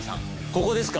ここですか？